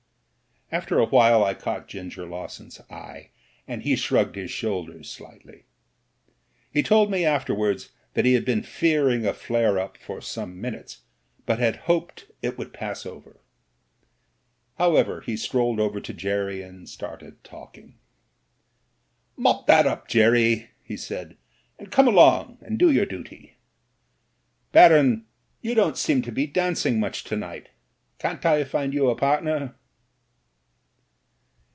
After a while I caught Ginger Lawson's eye and he shrugged his shoulders slightly. He told me after wards that he had been fearing a flare up for some minutes, but had hoped it would pass over. How ever, he strolled over to Jerry and started talking. "Mop that up, Jerry," he said, "and come along and do your duty. Baron, you don't seem to be dancing much to night. Can't I find you a partner?"